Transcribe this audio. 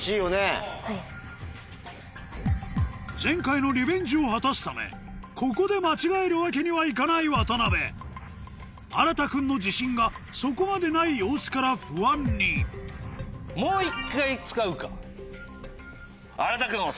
前回のリベンジを果たすためここで間違えるわけにはいかない渡辺あらた君の自信がそこまでない様子から不安に俺たち。